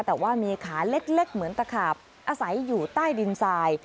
แต่ว่ามีขาเล็กเหมือนตะขาบอาศัยอยู่ใต้ดินทราย